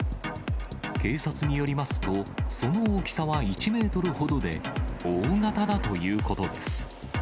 警察によりますと、その大きさは１メートルほどで、大型だということです。